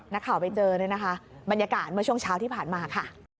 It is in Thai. นักข่าวไปเจอเนี่ยนะคะบรรยากาศเมื่อช่วงเช้าที่ผ่านมาค่ะ